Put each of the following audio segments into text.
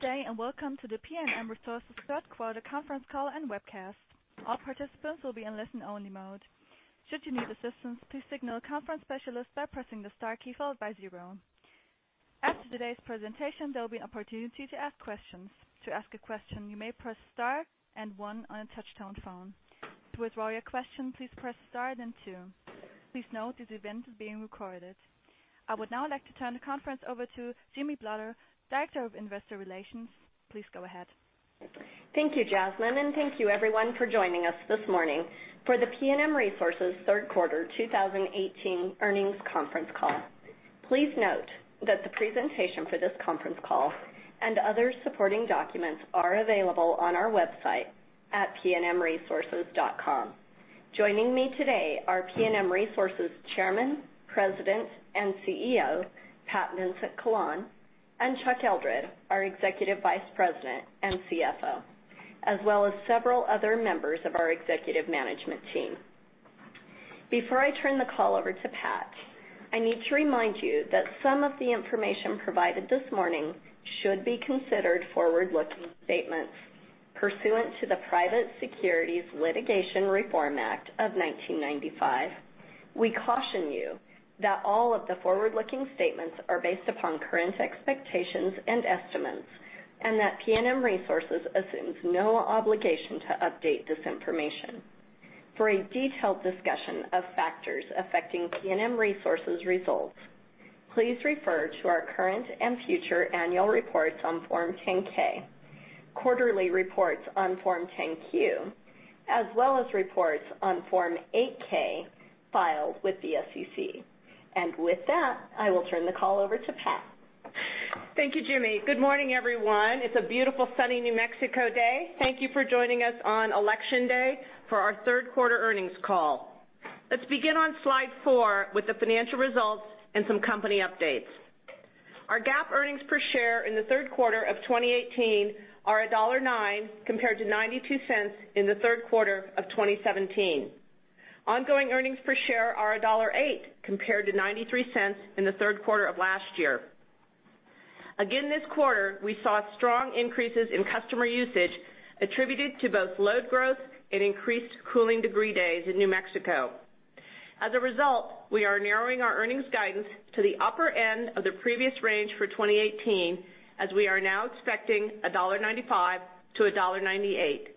Good day, welcome to the PNM Resources third quarter conference call and webcast. All participants will be in listen only mode. Should you need assistance, please signal a conference specialist by pressing the star key followed by zero. After today's presentation, there will be an opportunity to ask questions. To ask a question, you may press star and one on a touch-tone phone. To withdraw your question, please press star then two. Please note this event is being recorded. I would now like to turn the conference over to Jimmie Blotter, Director of Investor Relations. Please go ahead. Thank you, Jasmine, thank you everyone for joining us this morning for the PNM Resources third quarter 2018 earnings conference call. Please note that the presentation for this conference call and other supporting documents are available on our website at pnmresources.com. Joining me today are PNM Resources Chairman, President, and CEO, Pat Vincent-Collawn, and Chuck Eldred, our Executive Vice President and CFO, as well as several other members of our executive management team. Before I turn the call over to Pat, I need to remind you that some of the information provided this morning should be considered forward-looking statements pursuant to the Private Securities Litigation Reform Act of 1995. We caution you that all of the forward-looking statements are based upon current expectations and estimates and that PNM Resources assumes no obligation to update this information. For a detailed discussion of factors affecting PNM Resources results, please refer to our current and future annual reports on Form 10-K, quarterly reports on Form 10-Q, as well as reports on Form 8-K filed with the SEC. With that, I will turn the call over to Pat. Thank you, Jimmie. Good morning, everyone. It's a beautiful sunny New Mexico day. Thank you for joining us on election day for our third quarter earnings call. Let's begin on slide four with the financial results and some company updates. Our GAAP earnings per share in the third quarter of 2018 are $1.09 compared to $0.92 in the third quarter of 2017. Ongoing earnings per share are $1.08 compared to $0.93 in the third quarter of last year. Again this quarter, we saw strong increases in customer usage attributed to both load growth and increased cooling degree days in New Mexico. As a result, we are narrowing our earnings guidance to the upper end of the previous range for 2018, as we are now expecting $1.95-$1.98.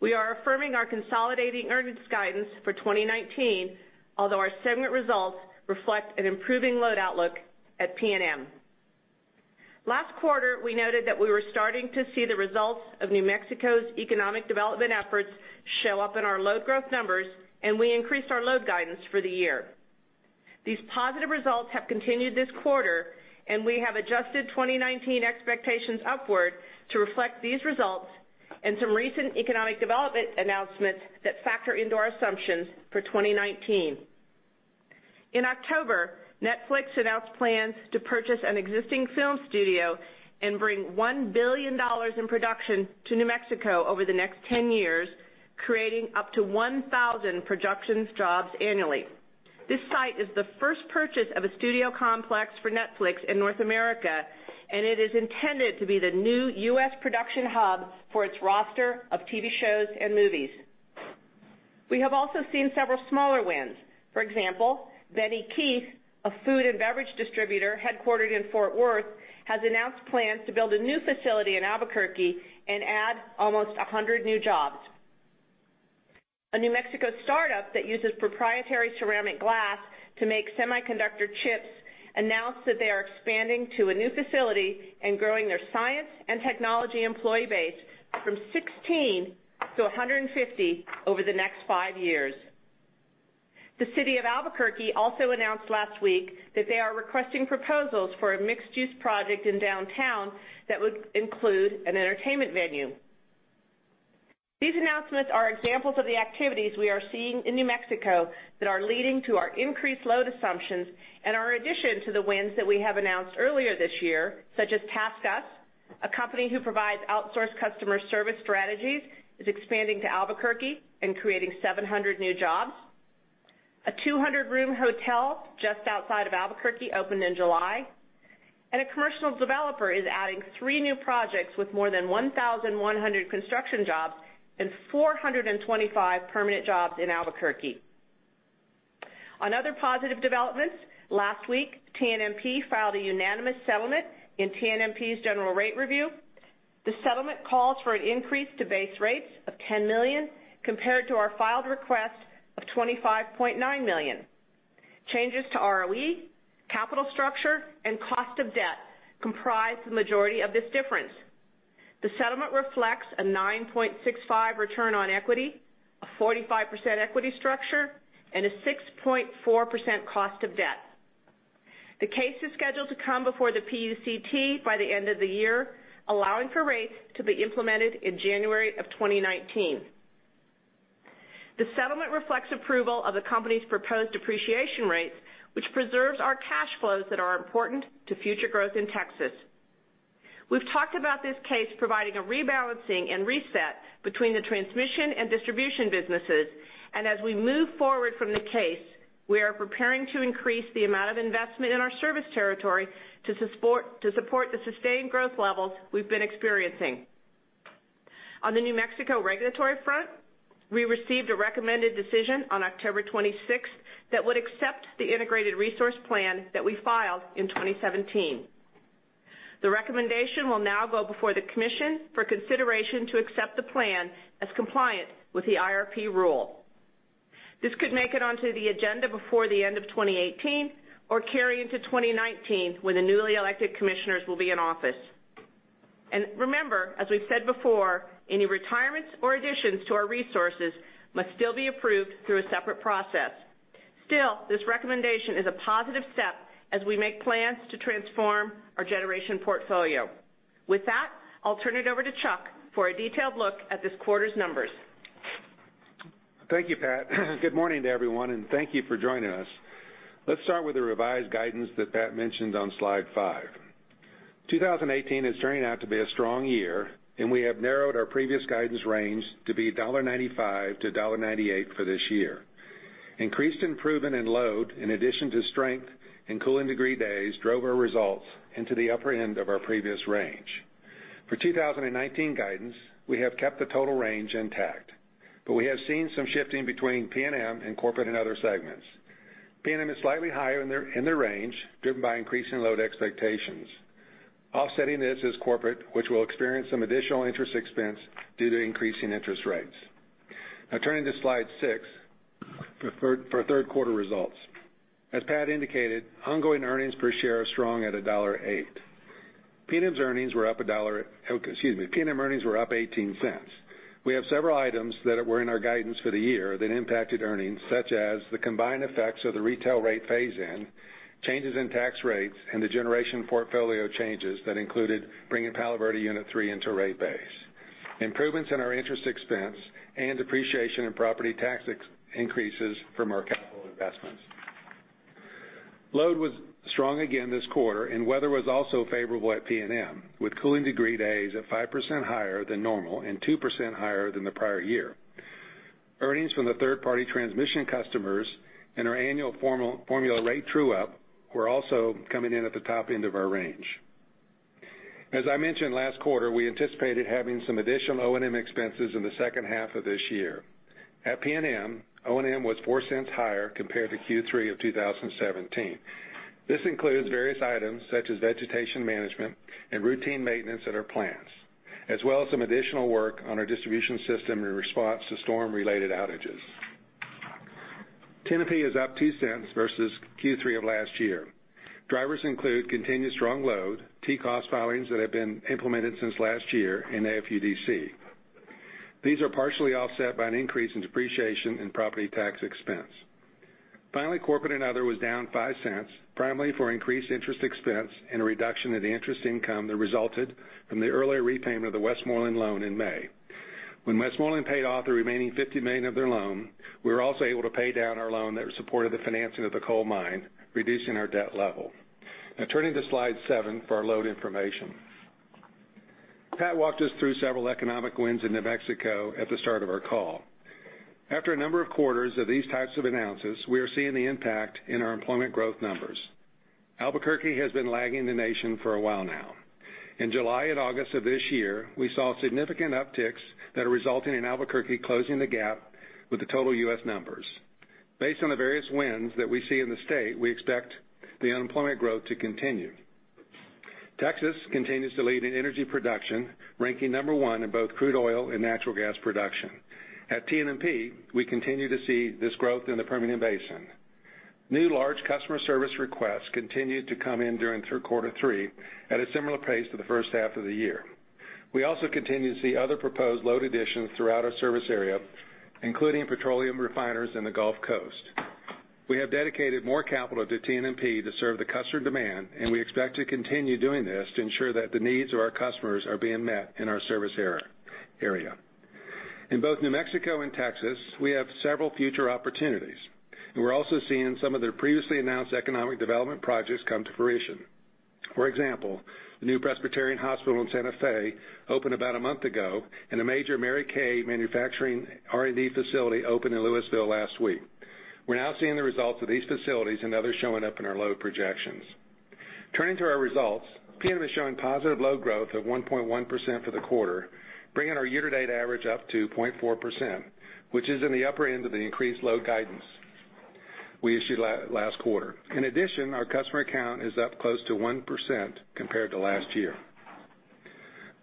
We are affirming our consolidating earnings guidance for 2019, although our segment results reflect an improving load outlook at PNM. Last quarter, we noted that we were starting to see the results of New Mexico's economic development efforts show up in our load growth numbers, and we increased our load guidance for the year. These positive results have continued this quarter, and we have adjusted 2019 expectations upward to reflect these results and some recent economic development announcements that factor into our assumptions for 2019. In October, Netflix announced plans to purchase an existing film studio and bring $1 billion in production to New Mexico over the next 10 years, creating up to 1,000 productions jobs annually. This site is the first purchase of a studio complex for Netflix in North America, and it is intended to be the new U.S. production hub for its roster of TV shows and movies. We have also seen several smaller wins. For example, Ben E. Keith, a food and beverage distributor headquartered in Fort Worth, has announced plans to build a new facility in Albuquerque and add almost 100 new jobs. A New Mexico startup that uses proprietary ceramic glass to make semiconductor chips announced that they are expanding to a new facility and growing their science and technology employee base from 16 to 150 over the next five years. The city of Albuquerque also announced last week that they are requesting proposals for a mixed-use project in downtown that would include an entertainment venue. These announcements are examples of the activities we are seeing in New Mexico that are leading to our increased load assumptions and are addition to the wins that we have announced earlier this year, such as TaskUs, a company who provides outsourced customer service strategies, is expanding to Albuquerque and creating 700 new jobs. A 200-room hotel just outside of Albuquerque opened in July, and a commercial developer is adding three new projects with more than 1,100 construction jobs and 425 permanent jobs in Albuquerque. On other positive developments, last week, TNMP filed a unanimous settlement in TNMP's general rate review. The settlement calls for an increase to base rates of $10 million compared to our filed request of $25.9 million. Changes to ROE, capital structure, and cost of debt comprise the majority of this difference. The settlement reflects a 9.65% return on equity, a 45% equity structure, and a 6.4% cost of debt. The case is scheduled to come before the PUCT by the end of the year, allowing for rates to be implemented in January of 2019. The settlement reflects approval of the company's proposed depreciation rates, which preserves our cash flows that are important to future growth in Texas. We've talked about this case providing a rebalancing and reset between the transmission and distribution businesses, and as we move forward from the case, we are preparing to increase the amount of investment in our service territory to support the sustained growth levels we've been experiencing. On the New Mexico regulatory front, we received a recommended decision on October 26th that would accept the integrated resource plan that we filed in 2017. The recommendation will now go before the commission for consideration to accept the plan as compliant with the IRP rule. This could make it onto the agenda before the end of 2018 or carry into 2019, when the newly elected commissioners will be in office. Remember, as we've said before, any retirements or additions to our resources must still be approved through a separate process. Still, this recommendation is a positive step as we make plans to transform our generation portfolio. With that, I'll turn it over to Chuck for a detailed look at this quarter's numbers. Thank you, Pat. Good morning to everyone, and thank you for joining us. Let's start with the revised guidance that Pat mentioned on slide five. 2018 is turning out to be a strong year, and we have narrowed our previous guidance range to be $1.95-$1.98 for this year. Increased improvement in load, in addition to strength in cooling degree days, drove our results into the upper end of our previous range. For 2019 guidance, we have kept the total range intact, but we have seen some shifting between PNM and corporate and other segments. PNM is slightly higher in their range, driven by increasing load expectations. Offsetting this is corporate, which will experience some additional interest expense due to increasing interest rates. Now turning to slide six for third quarter results. As Pat indicated, ongoing earnings per share are strong at $1.08. PNM's earnings were up $0.18. We have several items that were in our guidance for the year that impacted earnings, such as the combined effects of the retail rate phase-in, changes in tax rates, and the generation portfolio changes that included bringing Palo Verde Unit III into rate base. Improvements in our interest expense and depreciation in property tax increases from our capital investments. Load was strong again this quarter, and weather was also favorable at PNM, with cooling degree days at 5% higher than normal and 2% higher than the prior year. Earnings from the third-party transmission customers and our annual formula rate true-up were also coming in at the top end of our range. As I mentioned last quarter, we anticipated having some additional O&M expenses in the second half of this year. At PNM, O&M was $0.04 higher compared to Q3 of 2017. This includes various items such as vegetation management and routine maintenance at our plants, as well as some additional work on our distribution system in response to storm-related outages. TNMP is up $0.02 versus Q3 of last year. Drivers include continued strong load, TCOST filings that have been implemented since last year in AFUDC. These are partially offset by an increase in depreciation and property tax expense. Finally, corporate and other was down $0.05, primarily for increased interest expense and a reduction in the interest income that resulted from the early repayment of the Westmoreland loan in May. When Westmoreland paid off the remaining $50 million of their loan, we were also able to pay down our loan that supported the financing of the coal mine, reducing our debt level. Now turning to slide seven for our load information. Pat walked us through several economic wins in New Mexico at the start of our call. After a number of quarters of these types of announces, we are seeing the impact in our employment growth numbers. Albuquerque has been lagging the nation for a while now. In July and August of this year, we saw significant upticks that are resulting in Albuquerque closing the gap with the total U.S. numbers. Based on the various wins that we see in the state, we expect the unemployment growth to continue. Texas continues to lead in energy production, ranking number one in both crude oil and natural gas production. At TNMP, we continue to see this growth in the Permian Basin. New large customer service requests continued to come in during quarter three at a similar pace to the first half of the year. We also continue to see other proposed load additions throughout our service area, including petroleum refiners in the Gulf Coast. We have dedicated more capital to TNMP to serve the customer demand, and we expect to continue doing this to ensure that the needs of our customers are being met in our service area. In both New Mexico and Texas, we have several future opportunities. We're also seeing some of their previously announced economic development projects come to fruition. For example, the new Presbyterian hospital in Santa Fe opened about a month ago, and a major Mary Kay manufacturing R&D facility opened in Lewisville last week. We're now seeing the results of these facilities and others showing up in our load projections. Turning to our results, PNM is showing positive load growth of 1.1% for the quarter, bringing our year-to-date average up to 0.4%, which is in the upper end of the increased load guidance we issued last quarter. In addition, our customer count is up close to 1% compared to last year.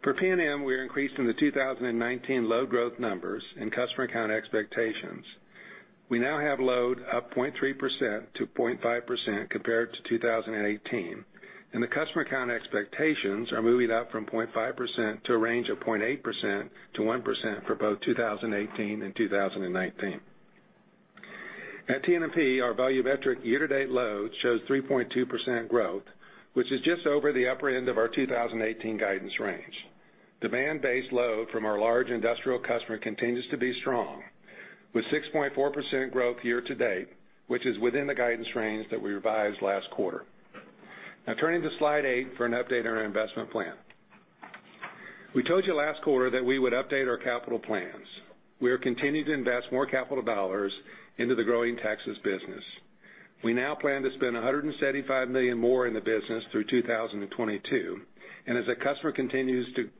For PNM, we are increasing the 2019 load growth numbers and customer count expectations. We now have load up 0.3%-0.5% compared to 2018, and the customer count expectations are moving up from 0.5% to a range of 0.8%-1% for both 2018 and 2019. At TNMP, our volumetric year-to-date load shows 3.2% growth, which is just over the upper end of our 2018 guidance range. Demand-based load from our large industrial customer continues to be strong, with 6.4% growth year to date, which is within the guidance range that we revised last quarter. Turning to slide eight for an update on our investment plan. We told you last quarter that we would update our capital plans. We are continuing to invest more capital dollars into the growing Texas business. We now plan to spend $175 million more in the business through 2022, and as the customer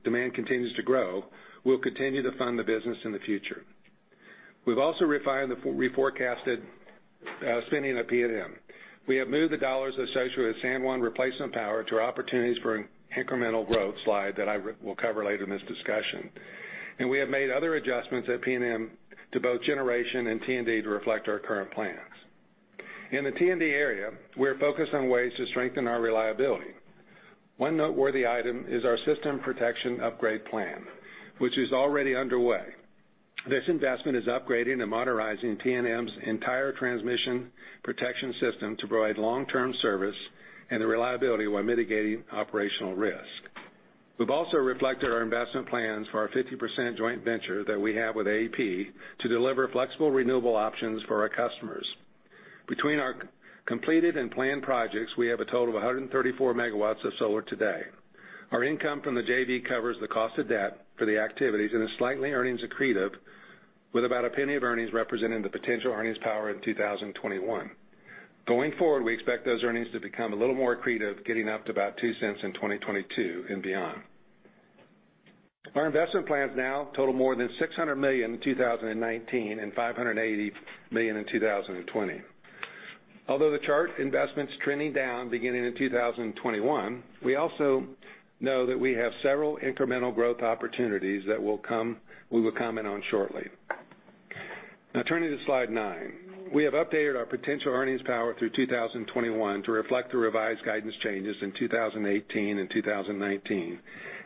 demand continues to grow, we'll continue to fund the business in the future. We've also reforecasted spending at PNM. We have moved the dollars associated with San Juan replacement power to our opportunities for an incremental growth slide that I will cover later in this discussion. We have made other adjustments at PNM to both generation and T&D to reflect our current plans. In the T&D area, we're focused on ways to strengthen our reliability. One noteworthy item is our system protection upgrade plan, which is already underway. This investment is upgrading and modernizing PNM's entire transmission protection system to provide long-term service and reliability while mitigating operational risk. We've also reflected our investment plans for our 50% joint venture that we have with AP to deliver flexible renewable options for our customers. Between our completed and planned projects, we have a total of 134 MW of solar today. Our income from the JV covers the cost of debt for the activities and is slightly earnings accretive with about $0.01 of earnings representing the potential earnings power in 2021. Going forward, we expect those earnings to become a little more accretive, getting up to about $0.02 in 2022 and beyond. Our investment plans now total more than $600 million in 2019 and $580 million in 2020. Although the chart investment's trending down beginning in 2021, we also know that we have several incremental growth opportunities that we will comment on shortly. Now turning to slide nine. We have updated our potential earnings power through 2021 to reflect the revised guidance changes in 2018 and 2019,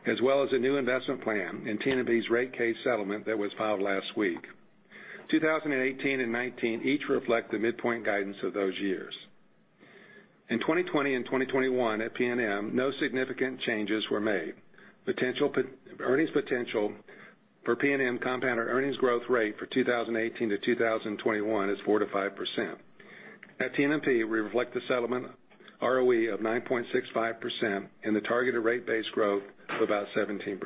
as well as a new investment plan in TNMP's rate case settlement that was filed last week. 2018 and 2019 each reflect the midpoint guidance of those years. In 2020 and 2021 at PNM, no significant changes were made. Earnings potential for PNM compound our earnings growth rate for 2018 to 2021 is 4%-5%. At TNMP, we reflect the settlement ROE of 9.65% and the targeted rate base growth of about 17%.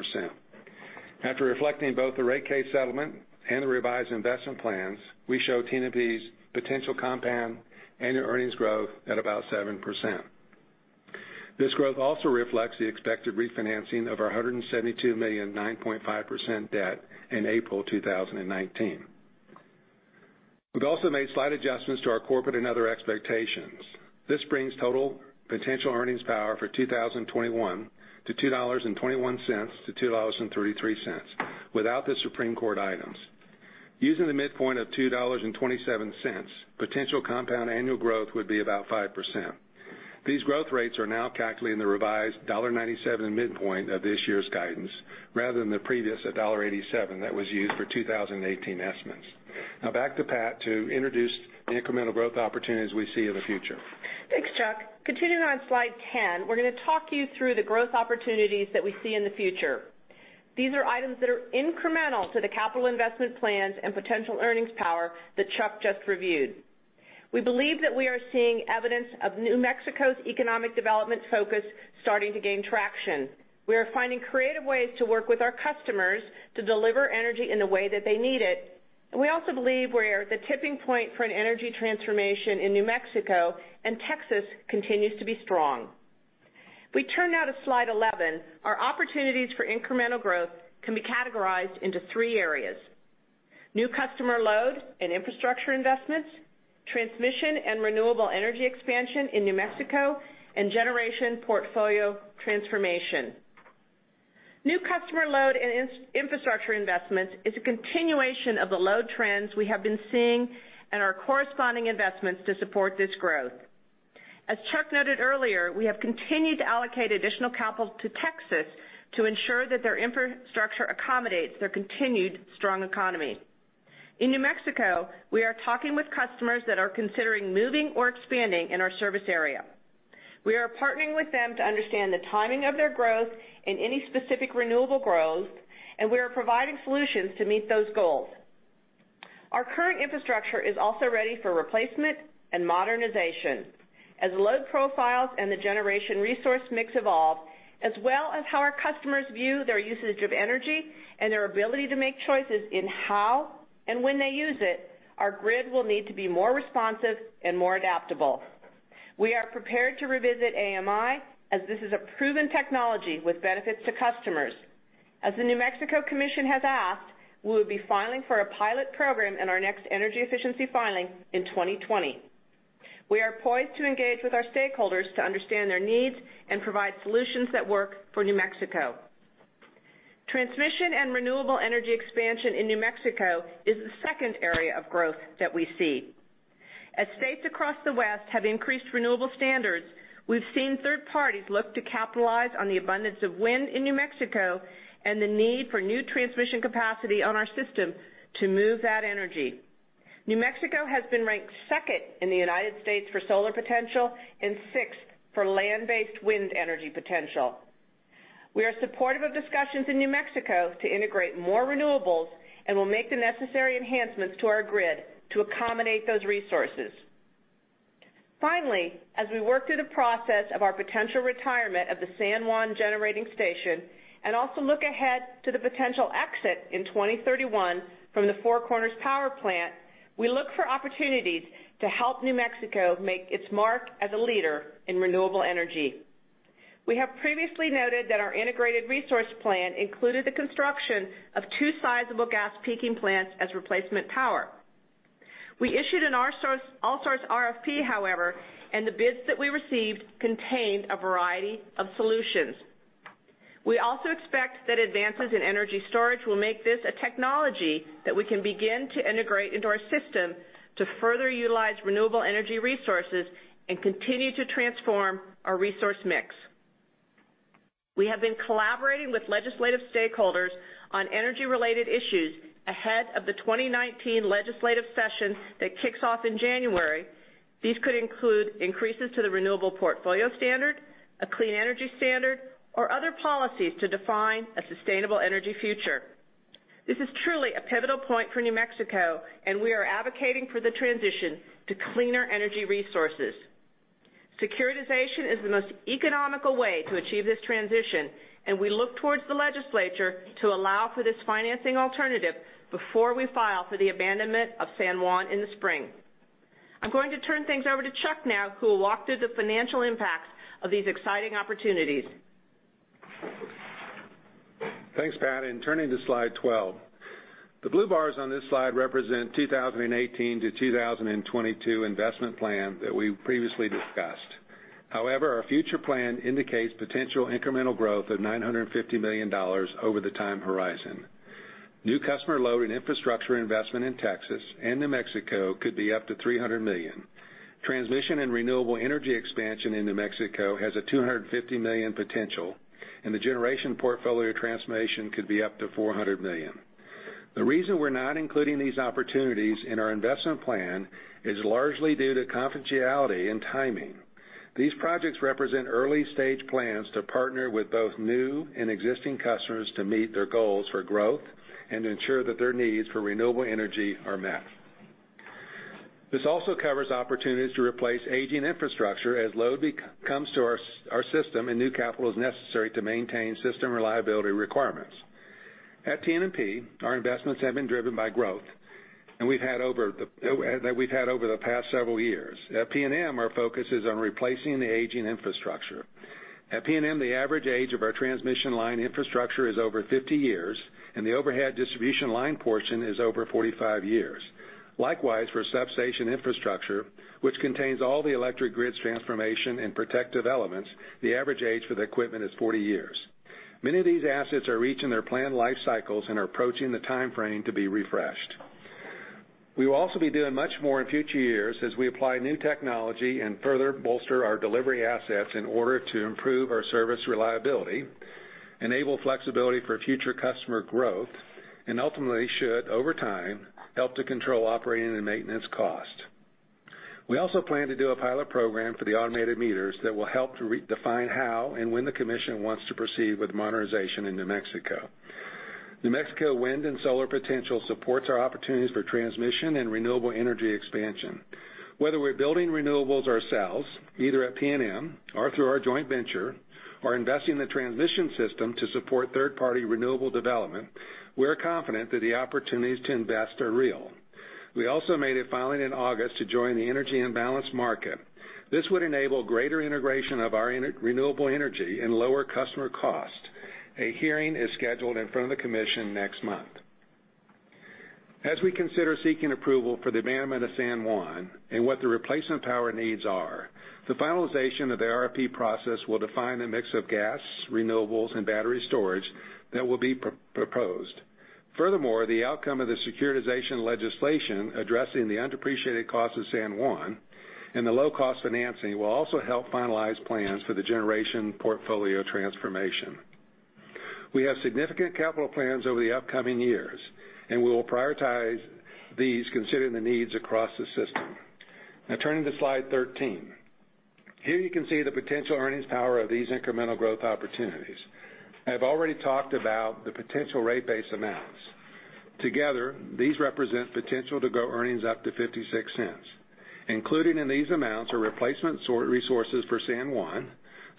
After reflecting both the rate case settlement and the revised investment plans, we show TNMP's potential compound annual earnings growth at about 7%. This growth also reflects the expected refinancing of our $172 million 9.5% debt in April 2019. We've also made slight adjustments to our corporate and other expectations. This brings total potential earnings power for 2021 to $2.21-$2.33 without the Supreme Court items. Using the midpoint of $2.27, potential compound annual growth would be about 5%. These growth rates are now calculating the revised $1.97 midpoint of this year's guidance rather than the previous $1.87 that was used for 2018 estimates. Back to Pat to introduce the incremental growth opportunities we see in the future. Thanks, Chuck. Continuing on slide 10, we're going to talk you through the growth opportunities that we see in the future. These are items that are incremental to the capital investment plans and potential earnings power that Chuck just reviewed. We believe that we are seeing evidence of New Mexico's economic development focus starting to gain traction. We are finding creative ways to work with our customers to deliver energy in the way that they need it, and we also believe we're at the tipping point for an energy transformation in New Mexico, and Texas continues to be strong. If we turn now to slide 11, our opportunities for incremental growth can be categorized into three areas. New customer load and infrastructure investments, transmission and renewable energy expansion in New Mexico, and generation portfolio transformation. New customer load and infrastructure investments is a continuation of the load trends we have been seeing and our corresponding investments to support this growth. As Chuck noted earlier, we have continued to allocate additional capital to Texas to ensure that their infrastructure accommodates their continued strong economy. In New Mexico, we are talking with customers that are considering moving or expanding in our service area. We are partnering with them to understand the timing of their growth and any specific renewable growth, and we are providing solutions to meet those goals. Our current infrastructure is also ready for replacement and modernization. As load profiles and the generation resource mix evolve, as well as how our customers view their usage of energy and their ability to make choices in how and when they use it, our grid will need to be more responsive and more adaptable. We are prepared to revisit AMI, as this is a proven technology with benefits to customers. As the New Mexico Commission has asked, we will be filing for a pilot program in our next energy efficiency filing in 2020. We are poised to engage with our stakeholders to understand their needs and provide solutions that work for New Mexico. Transmission and renewable energy expansion in New Mexico is the second area of growth that we see. As states across the West have increased renewable standards, we've seen third parties look to capitalize on the abundance of wind in New Mexico and the need for new transmission capacity on our system to move that energy. New Mexico has been ranked second in the U.S. for solar potential and sixth for land-based wind energy potential. We are supportive of discussions in New Mexico to integrate more renewables and will make the necessary enhancements to our grid to accommodate those resources. Finally, as we work through the process of our potential retirement of the San Juan Generating Station, and also look ahead to the potential exit in 2031 from the Four Corners Power Plant, we look for opportunities to help New Mexico make its mark as a leader in renewable energy. We have previously noted that our integrated resource plan included the construction of two sizable gas peaking plants as replacement power. We issued an all-source RFP, however, and the bids that we received contained a variety of solutions. We also expect that advances in energy storage will make this a technology that we can begin to integrate into our system to further utilize renewable energy resources and continue to transform our resource mix. We have been collaborating with legislative stakeholders on energy-related issues ahead of the 2019 legislative session that kicks off in January. These could include increases to the renewable portfolio standard, a clean energy standard, or other policies to define a sustainable energy future. This is truly a pivotal point for New Mexico. We are advocating for the transition to cleaner energy resources. Securitization is the most economical way to achieve this transition. We look towards the legislature to allow for this financing alternative before we file for the abandonment of San Juan in the spring. I'm going to turn things over to Chuck now, who will walk through the financial impacts of these exciting opportunities. Thanks, Pat. Turning to slide 12, the blue bars on this slide represent 2018 to 2022 investment plan that we previously discussed. However, our future plan indicates potential incremental growth of $950 million over the time horizon. New customer load and infrastructure investment in Texas and New Mexico could be up to $300 million. Transmission and renewable energy expansion in New Mexico has a $250 million potential, and the generation portfolio transformation could be up to $400 million. The reason we're not including these opportunities in our investment plan is largely due to confidentiality and timing. These projects represent early-stage plans to partner with both new and existing customers to meet their goals for growth and ensure that their needs for renewable energy are met. This also covers opportunities to replace aging infrastructure as load comes to our system, and new capital is necessary to maintain system reliability requirements. At TNMP, our investments have been driven by growth that we've had over the past several years. At PNM, our focus is on replacing the aging infrastructure. At PNM, the average age of our transmission line infrastructure is over 50 years, and the overhead distribution line portion is over 45 years. Likewise, for substation infrastructure, which contains all the electric grid's transformation and protective elements, the average age for the equipment is 40 years. Many of these assets are reaching their planned life cycles and are approaching the timeframe to be refreshed. We will also be doing much more in future years as we apply new technology and further bolster our delivery assets in order to improve our service reliability, enable flexibility for future customer growth, and ultimately should, over time, help to control operating and maintenance cost. We also plan to do a pilot program for the automated meters that will help to define how and when the commission wants to proceed with modernization in New Mexico. New Mexico wind and solar potential supports our opportunities for transmission and renewable energy expansion. Whether we're building renewables ourselves, either at PNM or through our joint venture, or investing in the transmission system to support third-party renewable development, we're confident that the opportunities to invest are real. We also made a filing in August to join the energy imbalance market. This would enable greater integration of our renewable energy and lower customer cost. A hearing is scheduled in front of the commission next month. As we consider seeking approval for the abandonment of San Juan and what the replacement power needs are, the finalization of the RFP process will define the mix of gas, renewables, and battery storage that will be proposed. Furthermore, the outcome of the securitization legislation addressing the undepreciated cost of San Juan and the low-cost financing will also help finalize plans for the generation portfolio transformation. We have significant capital plans over the upcoming years. We will prioritize these considering the needs across the system. Turning to slide 13, here you can see the potential earnings power of these incremental growth opportunities. I've already talked about the potential rate base amounts. Together, these represent potential to grow earnings up to $0.56. Included in these amounts are replacement resources for San Juan,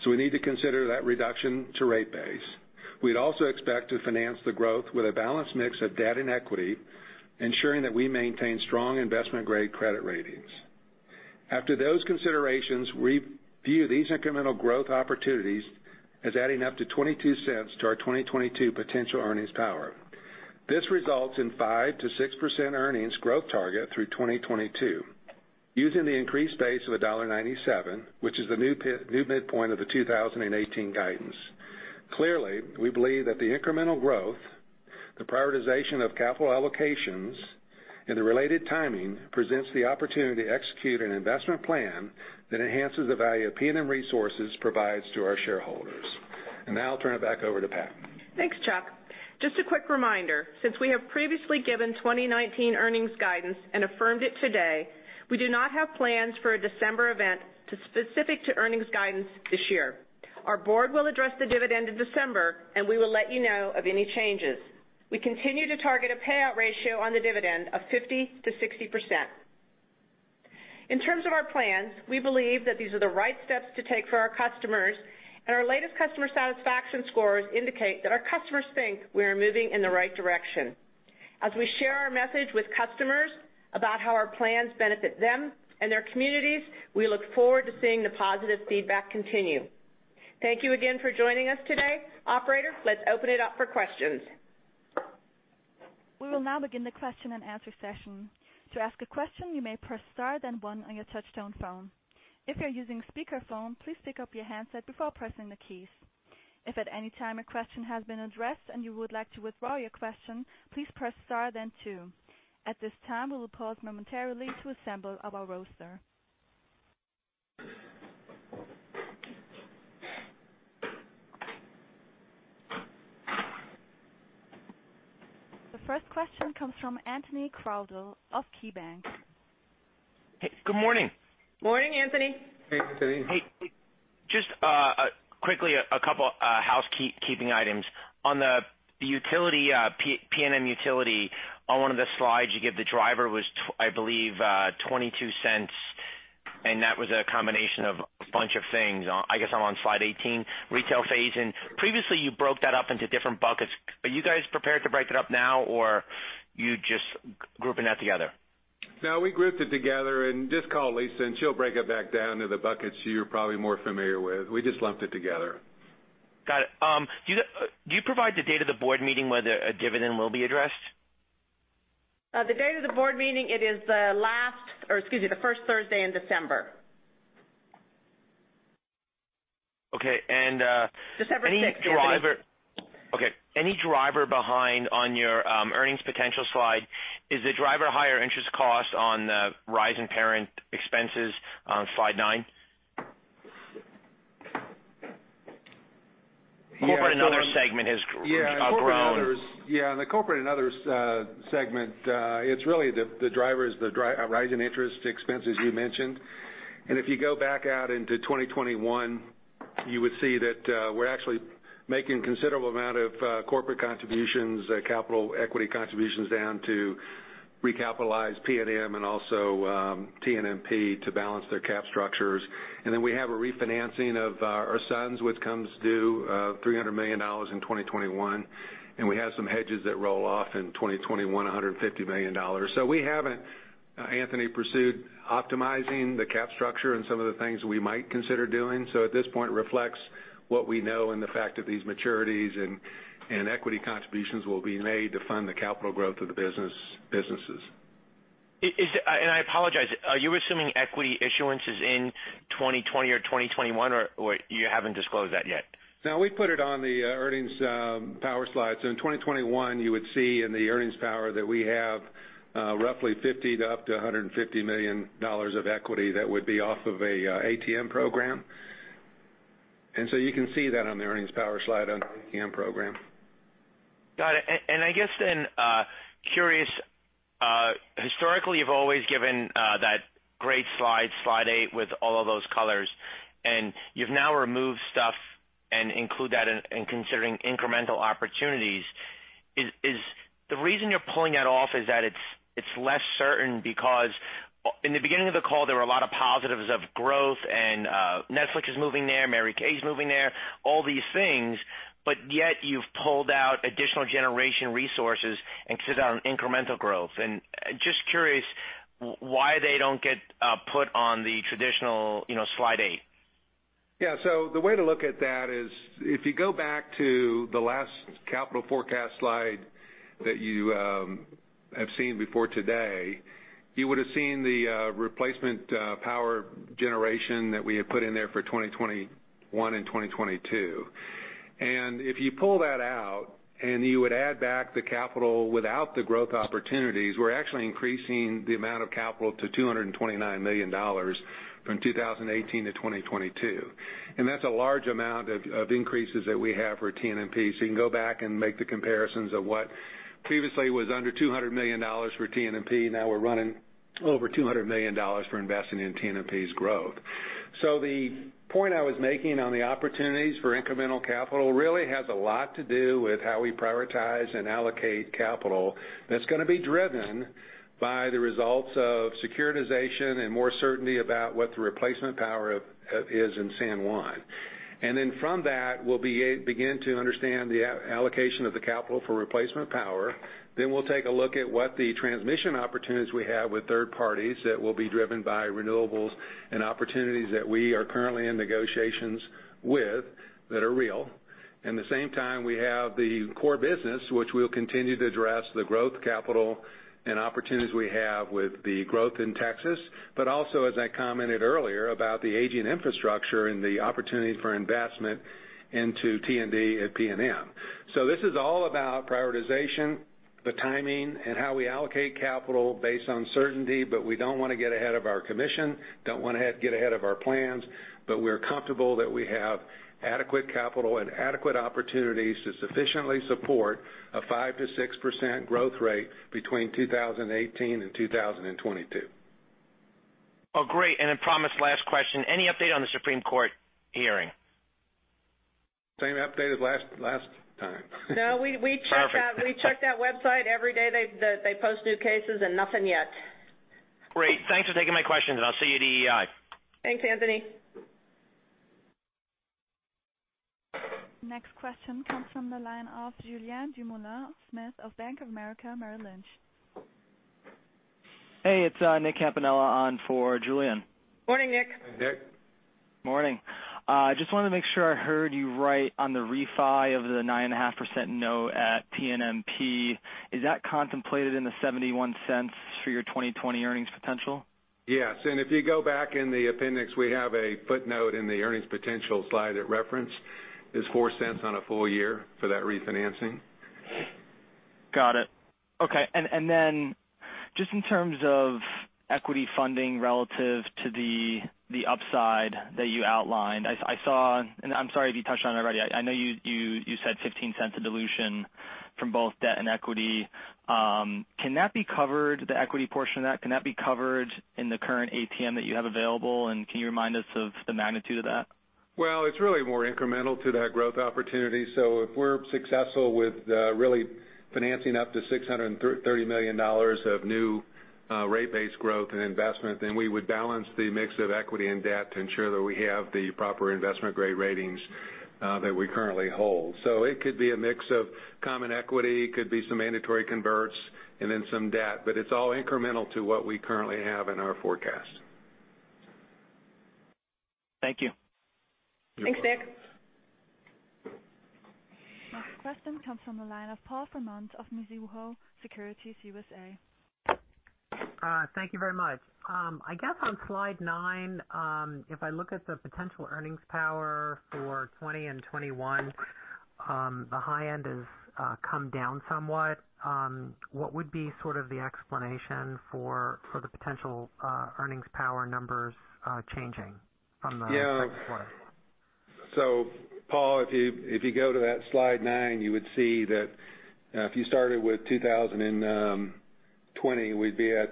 so we need to consider that reduction to rate base. We'd also expect to finance the growth with a balanced mix of debt and equity, ensuring that we maintain strong investment-grade credit ratings. After those considerations, we view these incremental growth opportunities as adding up to $0.22 to our 2022 potential earnings power. This results in 5%-6% earnings growth target through 2022. Using the increased base of $1.97, which is the new midpoint of the 2018 guidance. Clearly, we believe that the incremental growth, the prioritization of capital allocations, and the related timing presents the opportunity to execute an investment plan that enhances the value PNM Resources provides to our shareholders. Now I'll turn it back over to Pat. Thanks, Chuck. Just a quick reminder, since we have previously given 2019 earnings guidance and affirmed it today, we do not have plans for a December event specific to earnings guidance this year. Our board will address the dividend in December, we will let you know of any changes. We continue to target a payout ratio on the dividend of 50%-60%. In terms of our plans, we believe that these are the right steps to take for our customers, our latest customer satisfaction scores indicate that our customers think we are moving in the right direction. As we share our message with customers about how our plans benefit them and their communities, we look forward to seeing the positive feedback continue. Thank you again for joining us today. Operator, let's open it up for questions. We will now begin the question and answer session. To ask a question, you may press star then one on your touchtone phone. If you're using speakerphone, please pick up your handset before pressing the keys. If at any time a question has been addressed and you would like to withdraw your question, please press star then two. At this time, we will pause momentarily to assemble our roster. The first question comes from Anthony Crowdell of KeyBanc. Hey, good morning. Morning, Anthony. Hey, Anthony. Hey. Just quickly, a couple housekeeping items. On the PNM utility, on one of the slides you give, the driver was, I believe, $0.22, and that was a combination of a bunch of things. I guess I'm on slide 18, retail phase-in. Previously, you broke that up into different buckets. Are you guys prepared to break it up now, or you just grouping that together? No, we grouped it together. Just call Lisa, and she'll break it back down to the buckets you're probably more familiar with. We just lumped it together. Got it. Do you provide the date of the board meeting whether a dividend will be addressed? The date of the board meeting, it is the first Thursday in December. Okay. December 6th. Okay. Any driver behind on your earnings potential slide? Is the driver higher interest cost on the rise in parent expenses on slide nine? Yeah. Corporate and other segment has grown. Yeah. The corporate and others segment, it's really the drivers, the rise in interest expense, as you mentioned. If you go back out into 2021, you would see that we're actually making considerable amount of corporate contributions, capital equity contributions down to recapitalize PNM and also TNMP to balance their cap structures. We have a refinancing of our SUNS, which comes due $300 million in 2021. We have some hedges that roll off in 2021, $150 million. We haven't, Anthony, pursued optimizing the cap structure and some of the things we might consider doing. At this point, reflects what we know and the fact that these maturities and equity contributions will be made to fund the capital growth of the businesses. I apologize, are you assuming equity issuance is in 2020 or 2021, or you haven't disclosed that yet? No, we put it on the earnings power slides. In 2021, you would see in the earnings power that we have roughly $50 to up to $150 million of equity that would be off of a ATM program. You can see that on the earnings power slide on the ATM program. Got it. I guess then, curious, historically, you've always given that great slide eight, with all of those colors, and you've now removed stuff and include that in considering incremental opportunities. Is the reason you're pulling that off is that it's less certain because in the beginning of the call, there were a lot of positives of growth and Netflix is moving there, Mary Kay's moving there, all these things, but yet you've pulled out additional generation resources and consider on incremental growth. Just curious why they don't get put on the traditional slide eight. Yeah. The way to look at that is if you go back to the last capital forecast slide that you have seen before today, you would've seen the replacement power generation that we had put in there for 2021 and 2022. If you pull that out and you would add back the capital without the growth opportunities, we're actually increasing the amount of capital to $229 million from 2018 to 2022. That's a large amount of increases that we have for TNMP. You can go back and make the comparisons of what previously was under $200 million for TNMP, now we're running over $200 million for investing in TNMP's growth. The point I was making on the opportunities for incremental capital really has a lot to do with how we prioritize and allocate capital, and it's going to be driven by the results of securitization and more certainty about what the replacement power is in San Juan. From that, we'll begin to understand the allocation of the capital for replacement power, then we'll take a look at what the transmission opportunities we have with third parties that will be driven by renewables and opportunities that we are currently in negotiations with that are real. At the same time, we have the core business, which we'll continue to address the growth capital and opportunities we have with the growth in Texas, but also, as I commented earlier about the aging infrastructure and the opportunities for investment into T&D at PNM. This is all about prioritization, the timing, and how we allocate capital based on certainty. We don't want to get ahead of our commission, don't want to get ahead of our plans, but we're comfortable that we have adequate capital and adequate opportunities to sufficiently support a 5%-6% growth rate between 2018 and 2022. Oh, great. I promise, last question. Any update on the Supreme Court hearing? Same update as last time. No. Perfect. We check that website every day they post new cases, and nothing yet. Great. Thanks for taking my questions. I'll see you at EEI. Thanks, Anthony. Next question comes from the line of Julien Dumoulin-Smith of Bank of America Merrill Lynch. Hey, it's Nick Campanella on for Julien. Morning, Nick. Hi, Nick. Morning. Just wanted to make sure I heard you right on the refi of the 9.5% note at TNMP. Is that contemplated in the $0.71 for your 2020 earnings potential? Yes. If you go back in the appendix, we have a footnote in the earnings potential slide that reference is $0.04 on a full year for that refinancing. Got it. Okay. Just in terms of equity funding relative to the upside that you outlined. I saw, and I'm sorry if you touched on it already, I know you said $0.15 of dilution from both debt and equity. Can that be covered, the equity portion of that, can that be covered in the current ATM that you have available, and can you remind us of the magnitude of that? Well, it's really more incremental to that growth opportunity. If we're successful with really financing up to $630 million of new rate base growth and investment, we would balance the mix of equity and debt to ensure that we have the proper investment-grade ratings that we currently hold. It could be a mix of common equity, could be some mandatory converts, some debt, but it's all incremental to what we currently have in our forecast. Thank you. Thanks, Nick. Next question comes from the line of Paul Fremont of Mizuho Securities USA. Thank you very much. I guess on slide nine, if I look at the potential earnings power for 2020 and 2021, the high end has come down somewhat. What would be sort of the explanation for the potential earnings power numbers changing from the previous one? Paul, if you go to that slide nine, you would see that if you started with 2020, we'd be at,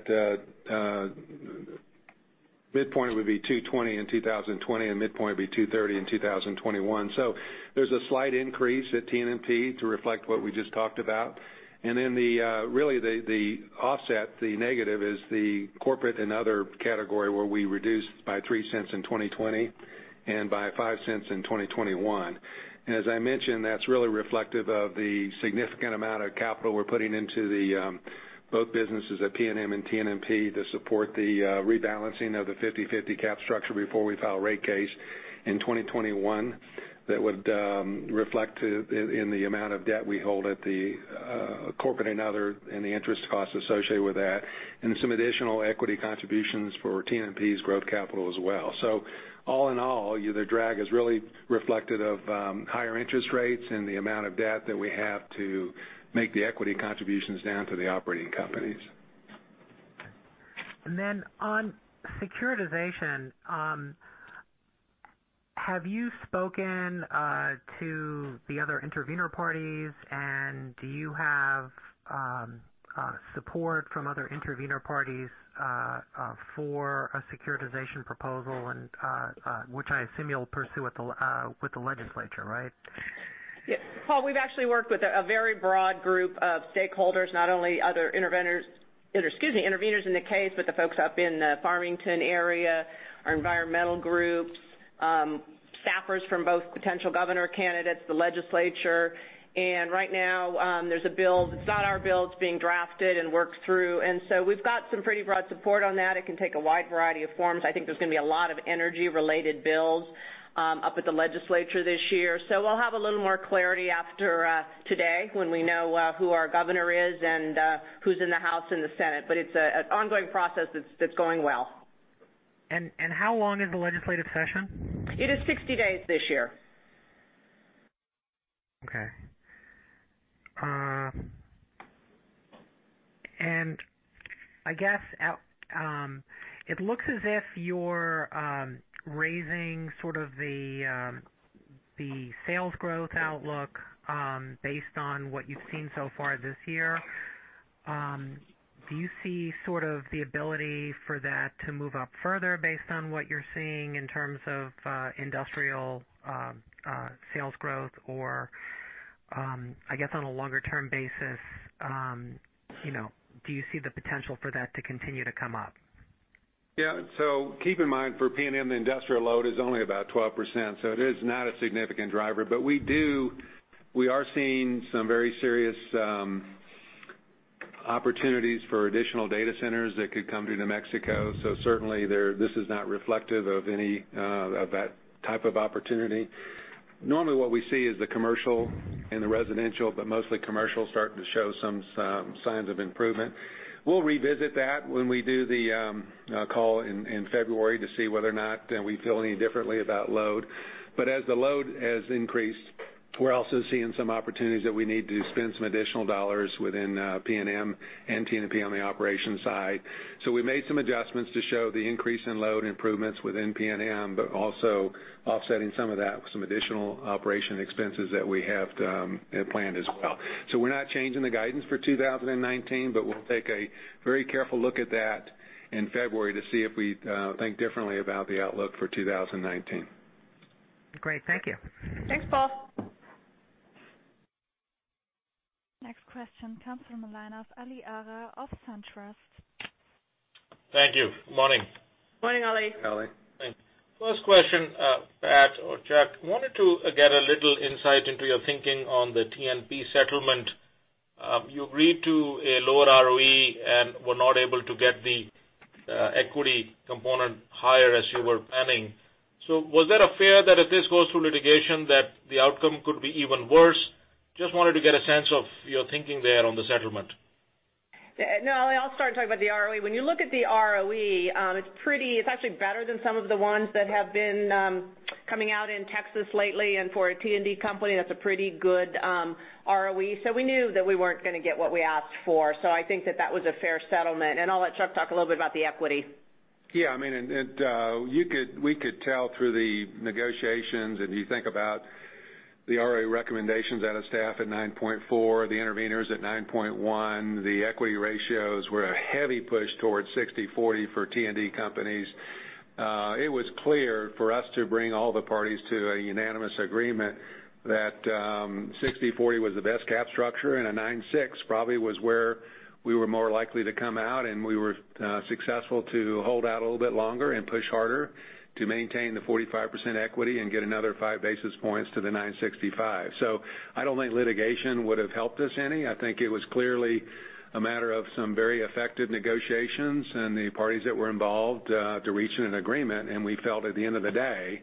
midpoint would be $220 in 2020, and midpoint would be $230 in 2021. There's a slight increase at TNMP to reflect what we just talked about. Really the offset, the negative, is the corporate and other category where we reduced by $0.03 in 2020 and by $0.05 in 2021. As I mentioned, that's really reflective of the significant amount of capital we're putting into both businesses at PNM and TNMP to support the rebalancing of the 50/50 cap structure before we file rate case in 2021. That would reflect in the amount of debt we hold at the corporate and other, and the interest costs associated with that, and some additional equity contributions for TNMP's growth capital as well. All in all, the drag is really reflective of higher interest rates and the amount of debt that we have to make the equity contributions down to the operating companies. On securitization, have you spoken to the other intervenor parties and do you have support from other intervenor parties for a securitization proposal which I assume you'll pursue with the Legislature, right? Paul, we've actually worked with a very broad group of stakeholders, not only other intervenors in the case, but the folks up in the Farmington area, our environmental groups, staffers from both potential governor candidates, the Legislature. Right now there's a bill, it's not our bill, it's being drafted and worked through. We've got some pretty broad support on that. It can take a wide variety of forms. I think there's going to be a lot of energy-related bills up at the Legislature this year. We'll have a little more clarity after today when we know who our governor is and who's in the House and the Senate. It's an ongoing process that's going well. How long is the legislative session? It is 60 days this year. Okay. I guess, it looks as if you're raising sort of the sales growth outlook based on what you've seen so far this year. Do you see sort of the ability for that to move up further based on what you're seeing in terms of industrial sales growth or, I guess, on a longer term basis, do you see the potential for that to continue to come up? Yeah. Keep in mind, for PNM, the industrial load is only about 12%, it is not a significant driver. We are seeing some very serious opportunities for additional data centers that could come to New Mexico. Certainly this is not reflective of that type of opportunity. Normally what we see is the commercial and the residential, but mostly commercial, starting to show some signs of improvement. We'll revisit that when we do the call in February to see whether or not we feel any differently about load. As the load has increased, we're also seeing some opportunities that we need to spend some additional dollars within PNM and TNMP on the operations side. We made some adjustments to show the increase in load improvements within PNM, also offsetting some of that with some additional operation expenses that we have planned as well. We're not changing the guidance for 2019, but we'll take a very careful look at that in February to see if we think differently about the outlook for 2019. Great. Thank you. Thanks, Paul. Next question comes from the line of Ali Agha of SunTrust. Thank you. Morning. Morning, Ali. Ali. Thanks. First question, Ali or Chuck, wanted to get a little insight into your thinking on the TNMP settlement. You agreed to a lower ROE and were not able to get the equity component higher as you were planning. Was there a fear that if this goes through litigation that the outcome could be even worse? Just wanted to get a sense of your thinking there on the settlement. No, Ali, I'll start talking about the ROE. When you look at the ROE, it's actually better than some of the ones that have been coming out in Texas lately. For a T&D company, that's a pretty good ROE. We knew that we weren't going to get what we asked for. I think that that was a fair settlement. I'll let Chuck talk a little bit about the equity. Yeah, we could tell through the negotiations, you think about the ROE recommendations out of staff at 9.4%, the intervenors at 9.1%. The equity ratios were a heavy push towards 60/40 for T&D companies. It was clear for us to bring all the parties to a unanimous agreement that 60/40 was the best cap structure, a 9.6% probably was where we were more likely to come out, we were successful to hold out a little bit longer and push harder to maintain the 45% equity and get another 5 basis points to the 9.65%. I don't think litigation would've helped us any. I think it was clearly a matter of some very effective negotiations and the parties that were involved to reach an agreement. We felt at the end of the day,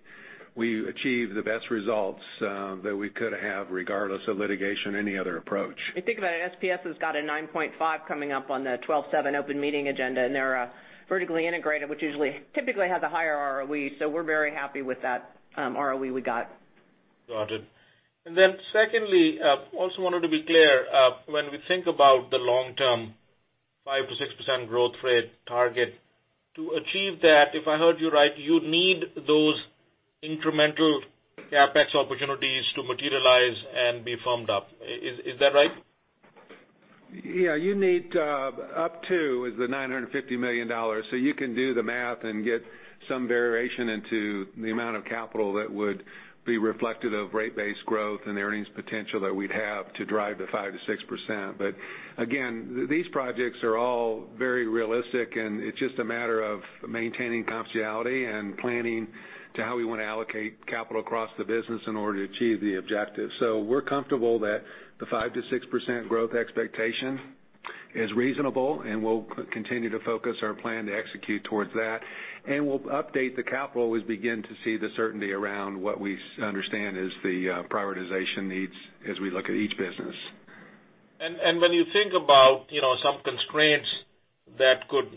we achieved the best results that we could have, regardless of litigation, any other approach. If you think about it, SPS has got a 9.5 coming up on the 12/7 open meeting agenda, and they're vertically integrated, which usually typically has a higher ROE. We're very happy with that ROE we got. Got it. Secondly, also wanted to be clear, when we think about the long-term 5% to 6% growth rate target, to achieve that, if I heard you right, you'd need those incremental CapEx opportunities to materialize and be firmed up. Is that right? Yeah, you need up to the $950 million. You can do the math and get some variation into the amount of capital that would be reflective of rate-based growth and the earnings potential that we'd have to drive to 5% to 6%. Again, these projects are all very realistic, and it's just a matter of maintaining confidentiality and planning to how we want to allocate capital across the business in order to achieve the objectives. We're comfortable that the 5% to 6% growth expectation is reasonable, and we'll continue to focus our plan to execute towards that. We'll update the capital as we begin to see the certainty around what we understand is the prioritization needs as we look at each business. When you think about some constraints that could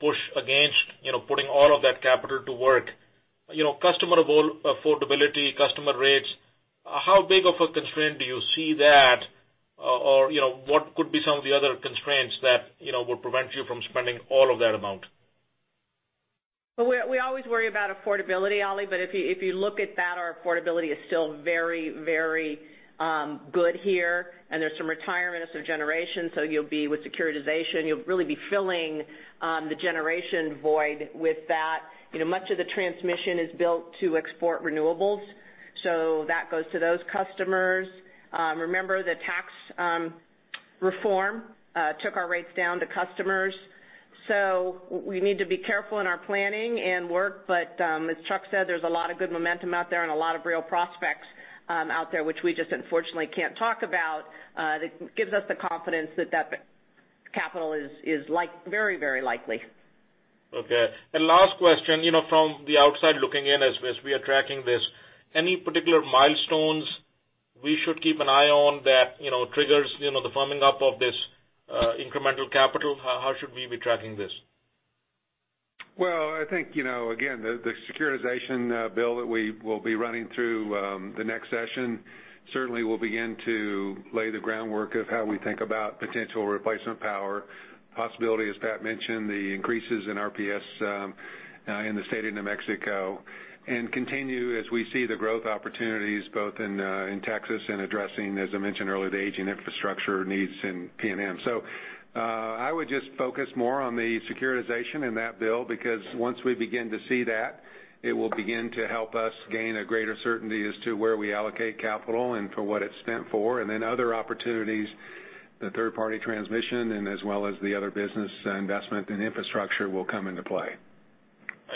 push against putting all of that capital to work, customer affordability, customer rates, how big of a constraint do you see that? What could be some of the other constraints that would prevent you from spending all of that amount? We always worry about affordability, Ali, if you look at that, our affordability is still very good here. There's some retirement of generation, with securitization, you'll really be filling the generation void with that. Much of the transmission is built to export renewables. That goes to those customers. Remember, the tax reform took our rates down to customers, we need to be careful in our planning and work. As Chuck said, there's a lot of good momentum out there and a lot of real prospects out there, which we just unfortunately can't talk about. That gives us the confidence that that capital is very likely. Okay. Last question. From the outside looking in as we are tracking this, any particular milestones we should keep an eye on that triggers the firming up of this incremental capital? How should we be tracking this? Well, I think, again, the securitization bill that we will be running through the next session certainly will begin to lay the groundwork of how we think about potential replacement power. Possibility, as Pat mentioned, the increases in RPS in the state of New Mexico, continue as we see the growth opportunities both in Texas and addressing, as I mentioned earlier, the aging infrastructure needs in PNM. I would just focus more on the securitization in that bill because once we begin to see that, it will begin to help us gain a greater certainty as to where we allocate capital and for what it's spent for. Other opportunities, the third-party transmission, and as well as the other business investment in infrastructure will come into play.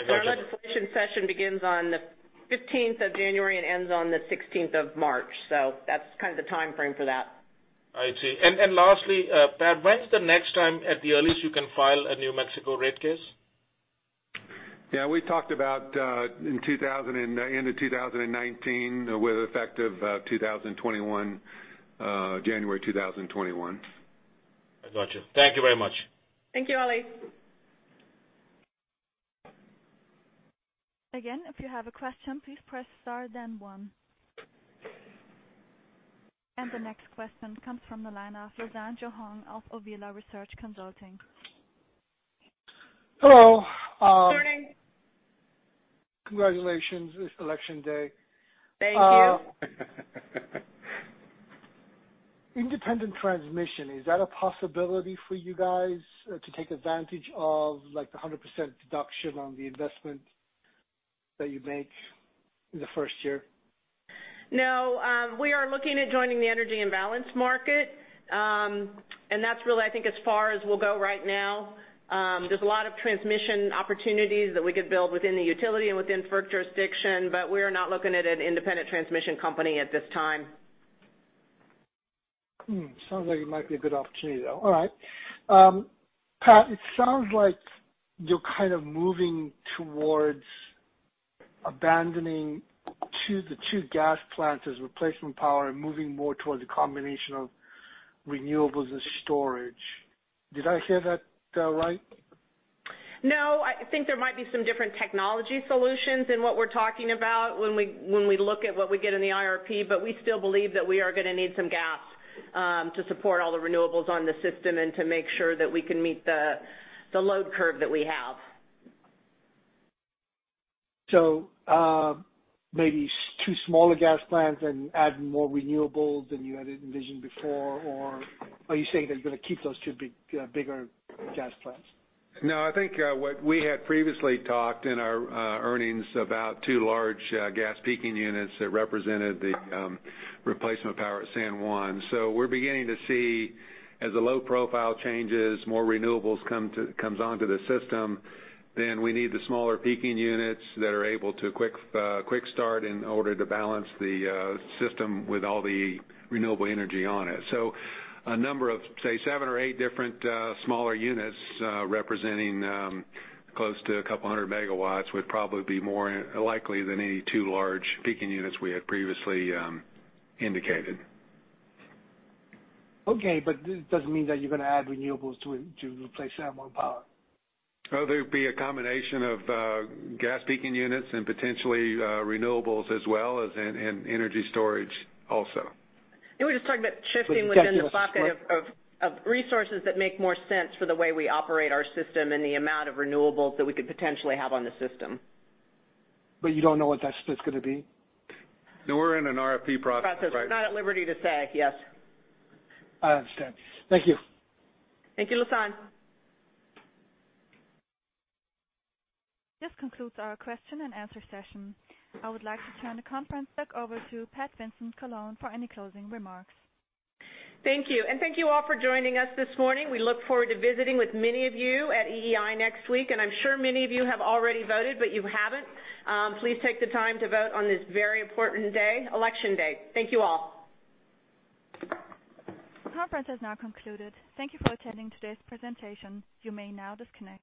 Our legislation session begins on the 15th of January and ends on the 16th of March. That's kind of the timeframe for that. I see. Lastly, Pat, when's the next time at the earliest you can file a New Mexico rate case? Yeah, we talked about end of 2019 with effective January 2021. I got you. Thank you very much. Thank you, Ali. If you have a question, please press star then one. The next question comes from the line of Lasan Johong of Auvila Research Consulting. Hello. Morning. Congratulations this election day. Thank you. Independent transmission, is that a possibility for you guys to take advantage of the 100% deduction on the investment that you'd make in the first year? No, we are looking at joining the Energy Imbalance Market, that's really, I think, as far as we'll go right now. There's a lot of transmission opportunities that we could build within the utility and within FERC jurisdiction, we're not looking at an independent transmission company at this time. Sounds like it might be a good opportunity, though. All right. Pat, it sounds like you're kind of moving towards abandoning the two gas plants as replacement power and moving more towards a combination of renewables and storage. Did I hear that right? No, I think there might be some different technology solutions in what we're talking about when we look at what we get in the IRP, we still believe that we are going to need some gas to support all the renewables on the system and to make sure that we can meet the load curve that we have. Maybe two smaller gas plants and add more renewables than you had envisioned before, are you saying they're going to keep those two bigger gas plants? No, I think what we had previously talked in our earnings about two large gas peaking units that represented the replacement power at San Juan. We're beginning to see, as the load profile changes, more renewables comes onto the system, then we need the smaller peaking units that are able to quick start in order to balance the system with all the renewable energy on it. A number of, say, seven or eight different smaller units representing close to a couple hundred megawatts would probably be more likely than any two large peaking units we had previously indicated. Okay, this doesn't mean that you're going to add renewables to it to replace San Juan power. There'd be a combination of gas peaking units and potentially renewables as well as energy storage also. Yeah, we're just talking about shifting within the bucket of resources that make more sense for the way we operate our system and the amount of renewables that we could potentially have on the system. You don't know what that's going to be? No, we're in an RFP process. Process. We're not at liberty to say, yes. I understand. Thank you. Thank you, Lasan. This concludes our question and answer session. I would like to turn the conference back over toPat Vincent-Collawn for any closing remarks. Thank you, and thank you all for joining us this morning. We look forward to visiting with many of you at EEI next week, and I'm sure many of you have already voted, but you haven't. Please take the time to vote on this very important day, election day. Thank you all. Conference has now concluded. Thank you for attending today's presentation. You may now disconnect.